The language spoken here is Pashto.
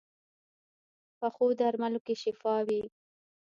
پخو درملو کې شفا وي